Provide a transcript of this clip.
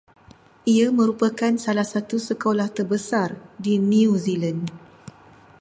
Ia merupakan salah satu sekolah terbesar di New Zealand